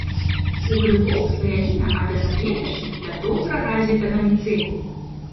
У грыбоў слаявіна ад аднаклетачнай да добра развітага міцэлію.